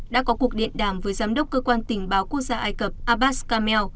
đã có cuộc điện đàm với giám đốc cơ quan tình báo quốc gia ai cập abbas kamel